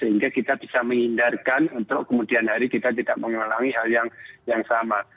sehingga kita bisa menghindarkan untuk kemudian hari kita tidak mengalami hal yang sama